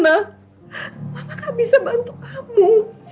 mama gak bisa bantu kamu